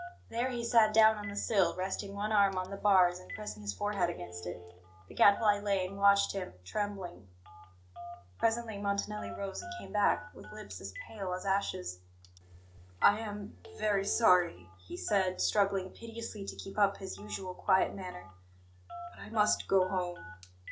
There he sat down on the sill, resting one arm on the bars, and pressing his forehead against it. The Gadfly lay and watched him, trembling. Presently Montanelli rose and came back, with lips as pale as ashes. "I am very sorry," he said, struggling piteously to keep up his usual quiet manner, "but I must go home.